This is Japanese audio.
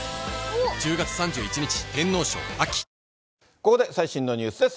ここで最新のニュースです。